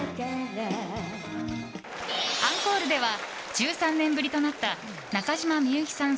アンコールでは１３年ぶりとなった中島みゆきさん